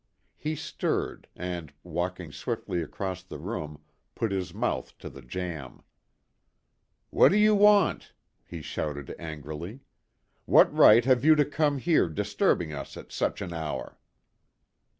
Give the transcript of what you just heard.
He stirred, and, walking swiftly across the room, put his mouth to the jamb. "What do you want?" he shouted angrily. "What right have you to come here disturbing us at such an hour?"